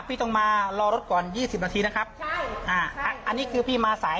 พี่ต้องมารอรถก่อนยี่สิบนาทีนะครับใช่อ่าอันนี้คือพี่มาสาย